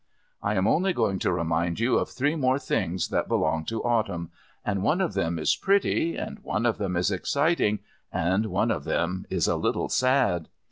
I am only going to remind you of three more things that belong to Autumn. And one of them is pretty, and one of them is exciting, and one of them is a little sad.